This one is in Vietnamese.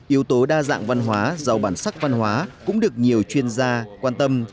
yếu tố đa dạng văn hóa giàu bản sắc văn hóa cũng được nhiều chuyên gia quan tâm